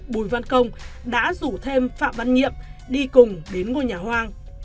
bùi văn công đã rủ thêm phạm văn nhiệm đi cùng đến ngôi nhà hoang